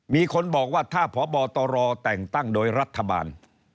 มีคนบอกว่าถ้าพบตรแต่งตั้งโดยรัฐบาล